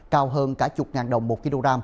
cao hơn cả chục ngàn đồng một kg